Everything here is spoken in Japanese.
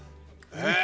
えっ？